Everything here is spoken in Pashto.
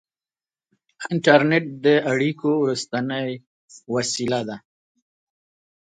• انټرنېټ د اړیکو وروستۍ وسیله ده.